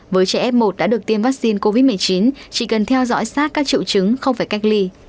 với trẻ f một đã được tiêm vaccine covid một mươi chín chỉ cần theo dõi sát các triệu chứng không phải cách ly